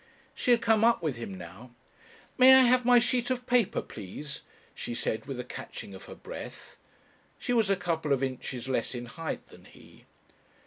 She had come up with him now. "May I have my sheet of paper, please?" she said with a catching of her breath. She was a couple of inches less in height than he.